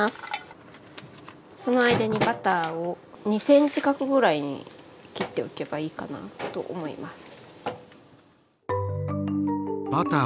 その間にバターを２ｃｍ角ぐらいに切っておけばいいかなと思います。